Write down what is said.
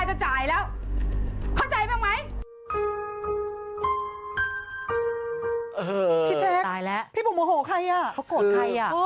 เขาโกรธใครอ่ะ